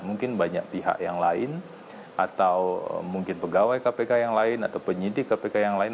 mungkin banyak pihak yang lain atau mungkin pegawai kpk yang lain atau penyidik kpk yang lain